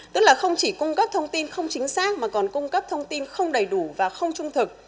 tức là không chỉ cung cấp thông tin không chính xác mà còn cung cấp thông tin không đầy đủ và không trung thực